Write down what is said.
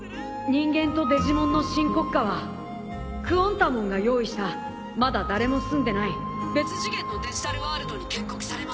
人間とデジモンの新国家はクオンタモンが用意したまだ誰もすんでない別次元のデジタルワールドに建国されます。